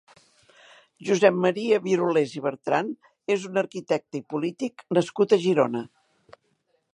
Josep Maria Birulés i Bertran és un arquitecte i polític nascut a Girona.